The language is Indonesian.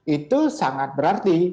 itu sangat berarti